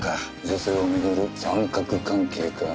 女性を巡る三角関係か？